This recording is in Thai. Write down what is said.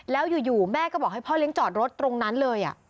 แล้วอยู่แม่ก็บอกให้พ่อเลี้ยงจอดรถตรงนั้นเลย